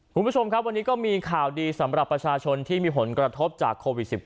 คุณผู้ชมครับวันนี้ก็มีข่าวดีสำหรับประชาชนที่มีผลกระทบจากโควิด๑๙